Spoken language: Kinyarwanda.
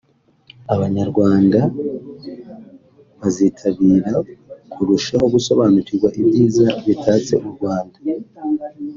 Abanyarwanda bazitabira kurushaho gusobanukirwa ibyiza bitatse u Rwanda